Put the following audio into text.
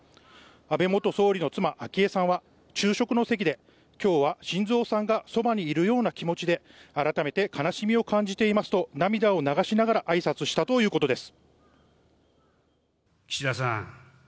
安倍元総理の妻・昭恵さんは昼食の席で今日は晋三さんがそばにいるような気持ちで改めて悲しみを感じていますと涙を流しながら挨拶したということです。